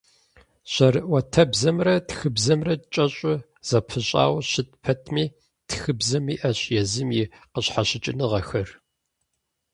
Жьэрыӏуэтэбзэмрэ тхыбзэмрэ кӏэщӏу зэпыщӏауэ щыт пэтми, тхыбзэм иӏэщ езым и къыщхьэщыкӏыныгъэхэр.